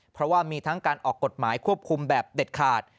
เพราะว่ามีทั้งการออกกฎหมายควบคุมแบบเด็ดขาด